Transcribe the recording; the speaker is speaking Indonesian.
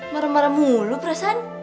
marah marah mulu perasaan